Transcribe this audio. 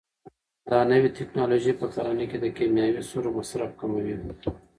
دا نوې ټیکنالوژي په کرنه کې د کیمیاوي سرو مصرف کموي.